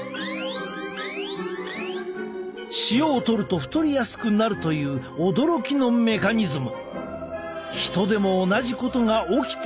塩をとると太りやすくなるという驚きのメカニズム。